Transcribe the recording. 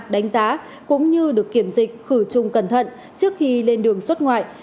đánh giá cũng như được kiểm dịch khử trùng cẩn thận trước khi lên đường xuất ngoại